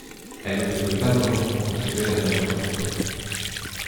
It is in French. Elle ne trouvait pas un mot pour consoler la malheureuse enfant.